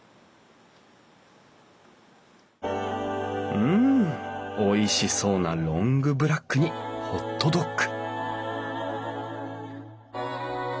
うんおいしそうなロングブラックにホットドッグ！